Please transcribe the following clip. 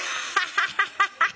ハハハハ！